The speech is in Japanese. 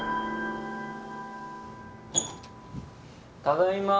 ・ただいま。